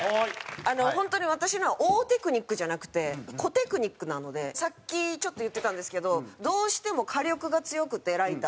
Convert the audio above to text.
本当に私のは大テクニックじゃなくて小テクニックなのでさっきちょっと言ってたんですけどどうしても火力が強くてライターの。